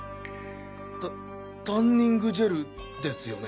タタンニングジェルですよね？